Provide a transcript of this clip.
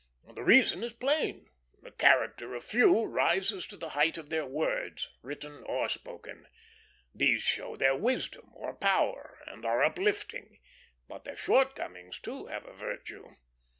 The reason is plain; the character of few rises to the height of their words, written or spoken. These show their wisdom, or power, and are uplifting; but their shortcomings, too, have a virtue.